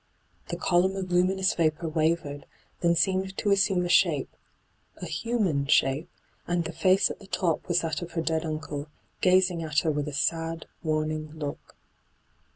The column of luminous vapour wavered, then seemed to assume a shape — a human shape — and the &ce at the top was that of her dead uncle, gazing at her with a sad, warning look.